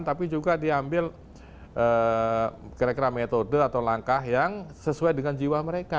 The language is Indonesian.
tapi juga diambil kira kira metode atau langkah yang sesuai dengan jiwa mereka